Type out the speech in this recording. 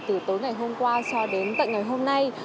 từ tối ngày hôm qua cho đến tận ngày hôm nay